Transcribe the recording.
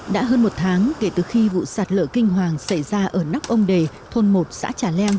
đã hơn một tháng kể từ khi vụ sạt lở kinh hoàng xảy ra ở nóc ông đề thôn một xã trà leng